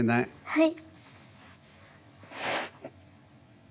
はい。